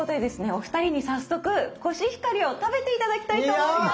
お二人に早速コシヒカリを食べて頂きたいと思います。